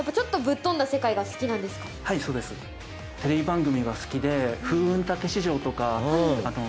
テレビ番組が好きで。